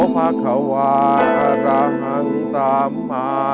พระครับ